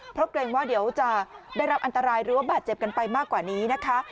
เพราะเกรงว่าเดี๋ยวจะได้รับอันตรายหรือว่าบาดเจ็บกันไปมากกว่านี้นะคะ